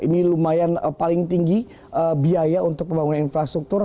ini lumayan paling tinggi biaya untuk pembangunan infrastruktur